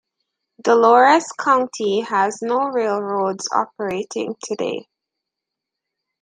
Dolores County has no railroads operating today.